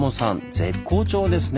絶好調ですね！